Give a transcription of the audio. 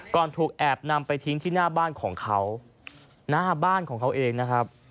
ถูกแอบนำไปทิ้งที่หน้าบ้านของเขาหน้าบ้านของเขาเองนะครับ